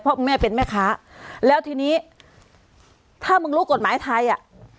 เพราะแม่เป็นแม่ค้าแล้วทีนี้ถ้ามึงรู้กฎหมายไทยอ่ะ